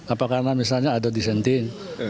apakah karena misalnya ada disenting